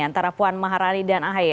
antara puan maharani dan ahy